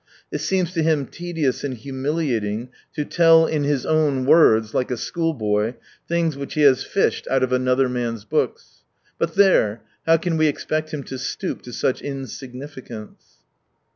It seems to him tedious and humiliating to tell " in his own words," like a school boy, things which he has fished out of another man's books. But there — how can we expect him to stoop to such insig nificance